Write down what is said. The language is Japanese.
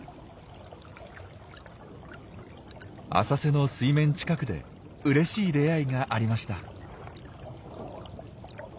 浅瀬の水面近くでうれしい出会いがありました。